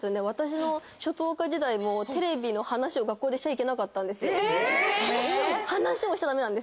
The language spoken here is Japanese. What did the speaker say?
私の初等科時代もテレビの話を学校でしちゃいけなかったんですよ。